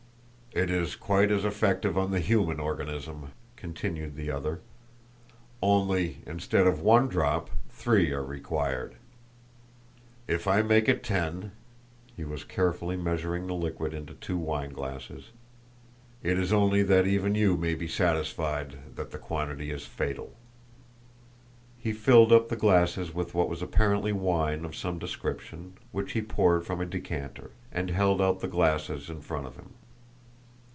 "It is quite as effective on the human organism," continued the other, "only, instead of one drop, three are required. If I make it ten" he was carefully measuring the liquid into two wineglasses "it is only that even you may be satisfied that the quantity is fatal." He filled up the glasses with what was apparently wine of some description, which he poured from a decanter, and held out the glasses in front of him.